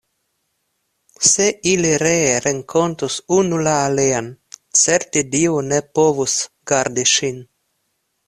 Se ili ree renkontus unu la alian, certe Dio ne povus gardi ŝin!